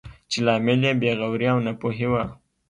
چې لامل یې بې غوري او ناپوهي وه.